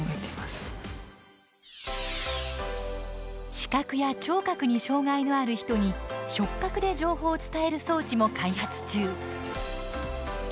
視覚や聴覚に障害のある人に触覚で情報を伝える装置も開発中。